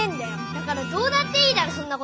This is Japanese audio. だからどうだっていいだろそんなこと。